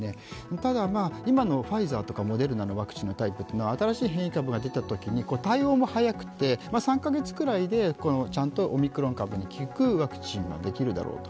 ただ、今のファイザーとかモデルナのタイプのワクチンは新しい変異株が出たときに対応も早くて３カ月くらいでちゃんとオミクロン株に効くワクチンができるだろうと。